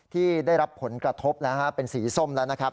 ที่ได้รับผลกระทบนะฮะเป็นสีส้มแล้วนะครับ